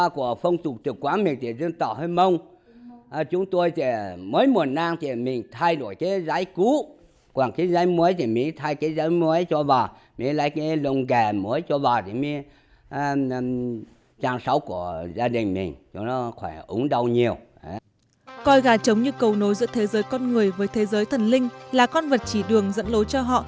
coi gà trống như cầu nối giữa thế giới con người với thế giới thần linh là con vật chỉ đường dẫn lối cho họ